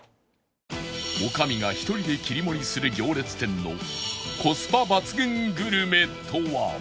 女将が１人で切り盛りする行列店のコスパ抜群グルメとは？